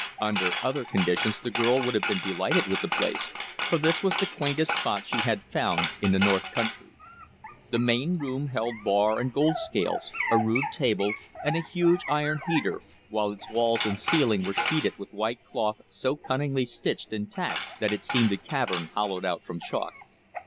Under other conditions the girl would have been delighted with the place, for this was the quaintest spot she had found in the north country. The main room held bar and gold scales, a rude table, and a huge iron heater, while its walls and ceiling were sheeted with white cloth so cunningly stitched and tacked that it seemed a cavern hollowed from chalk.